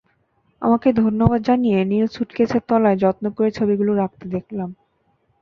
আমাকে ধন্যবাদ জানিয়ে নীল স্যুটকেসের তলায় যত্ন করে ছবিগুলো রাখতে দেখলাম।